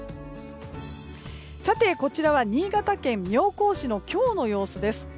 こちらは新潟県妙高市の今日の様子です。